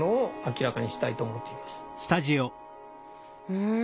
うん。